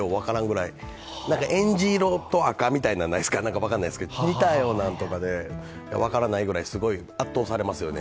えんじ色と赤みたいなのないですか、似たようなので分からないぐらいすごい、圧倒されますよね。